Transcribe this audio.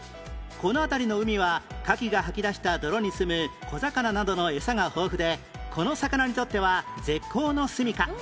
この辺りの海は牡蠣が吐き出した泥にすむ小魚などのエサが豊富でこの魚にとっては絶好のすみか